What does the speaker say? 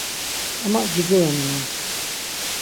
Ama viguraminon.